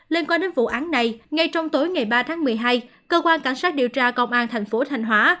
liên quan đến vụ án này ngay trong tối ngày ba tháng một mươi hai cơ quan cảnh sát điều tra công an thành phố thanh hóa